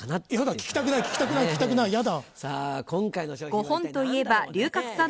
聞きたくない聞きたくない聞きたくないやだ。